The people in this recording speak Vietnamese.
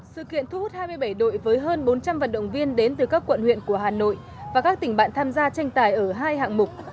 sự kiện thu hút hai mươi bảy đội với hơn bốn trăm linh vận động viên đến từ các quận huyện của hà nội và các tỉnh bạn tham gia tranh tài ở hai hạng mục